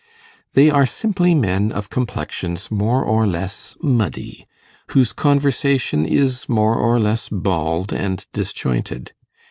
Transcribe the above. They are simply men of complexions more or less muddy, whose conversation is more or less bald and disjointed.